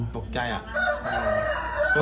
ตกใจอ่ะ